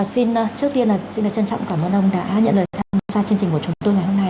xin trước tiên là xin trân trọng cảm ơn ông đã nhận lời tham gia chương trình của chúng tôi ngày hôm nay